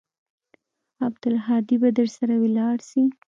عبدالهادي به درسره ولاړ سي.